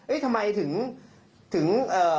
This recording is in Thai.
เอ้ยทำไมถึง